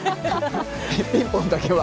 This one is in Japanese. ピンポンだけは。